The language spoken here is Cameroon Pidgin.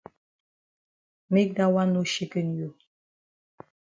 Make dat wan no shaken you.